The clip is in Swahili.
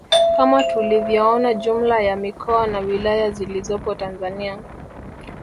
Kama tulivyoona jumla ya mikoa na wilaya zilizopo Tanzania